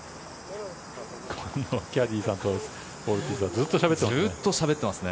このキャディーさんとオルティーズはずっとしゃべってますね。